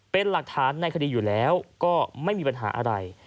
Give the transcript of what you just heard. เป็นหลักฐานในคดีอยู่แล้วก็ไม่มีปัญหาอะไร